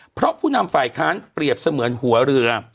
เพราะผู้นำฝ่ายค้านเปรียบเสมือนหัวเรือ